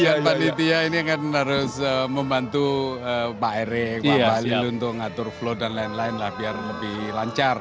ya panitia ini kan harus membantu pak erik mbak lili untuk ngatur flow dan lain lain lah biar lebih lancar